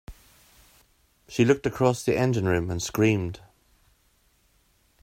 She looked across the engine room and screamed.